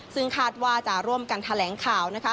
ซึ่งคาดว่าจะร่วมกันแถลงข่าวนะคะ